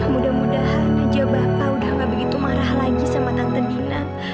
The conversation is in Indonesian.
mudah mudahan aja bapak udah gak begitu marah lagi sama tante dina